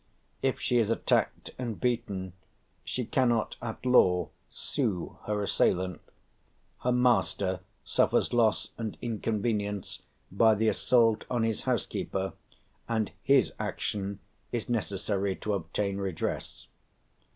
If she is attacked and beaten she cannot at law sue her assailant; her master suffers loss and inconvenience by the assault on his housekeeper, and his action is necessary to obtain redress.